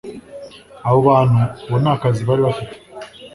abo bantu ubu nta kazi bari bafite